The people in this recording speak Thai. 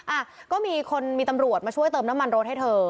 อ่ะก็มีคนมีตำรวจมาช่วยเติมน้ำมันรถให้เธอ